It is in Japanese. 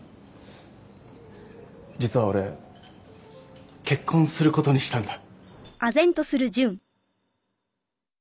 実は俺結婚することにしたんだ。